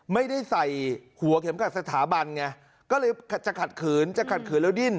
ไม่ได้ใส่หัวเข็มขัดสถาบันไงก็เลยจะขัดขืนจะขัดขืนแล้วดิ้น